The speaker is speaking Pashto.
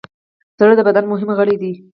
زړه د بدن مهم غړی دی.